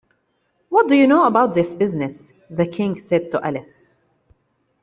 ‘What do you know about this business?’ the King said to Alice.